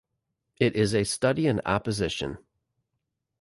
It is a study in opposition.